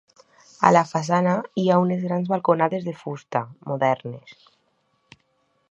A la façana hi ha unes grans balconades de fusta, modernes.